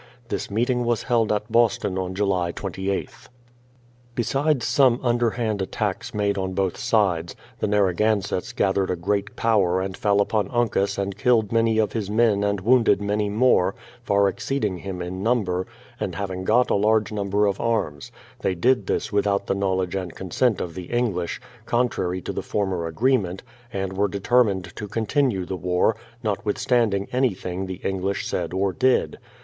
This meeting was held at Boston on July 28th. Besides some underhand attacks made on both sides, the Narragansetts gathered a great power and fell upon Uncas and killed many of his men and wounded many more, far exceeding him in number, and having got a large number of arms. They did this without the knowledge and consent of the English, contrary to the former agreement, and were determined to continue the war, notwithstanding anything the English said or did.